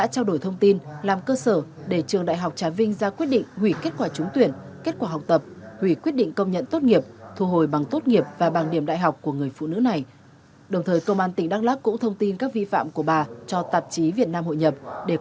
tại tạp chí việt nam hội nhập bà này làm hồ sơ và làm việc tại tạp chí việt nam hội nhập